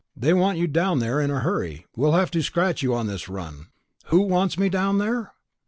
They want you down there in a hurry. We'll have to scratch you on this run." "Who wants me down there?"